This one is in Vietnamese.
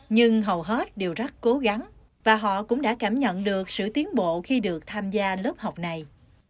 nhưng hầu hết đều rất cố gắng và họ cũng đã cảm nhận được sự tiến bộ khi được tham gia lớp học này